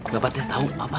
gak patut tau apa